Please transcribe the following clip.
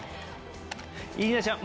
いきましょう。